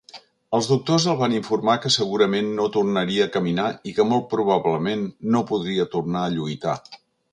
Els doctors el van informar que segurament no tornaria a caminar i que molt probablement no podria tornar a lluitar.